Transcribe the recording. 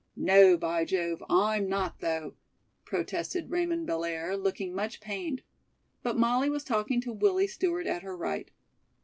"No, by Jove, I'm not though," protested Raymond Bellaire, looking much pained. But Molly was talking to Willie Stewart at her right.